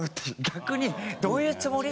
逆にどういうつもり？っていう。